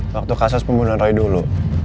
waktu kasus pembunuhan roy dulu